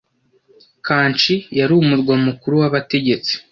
Kanchi yari umurwa mukuru w'abategetsi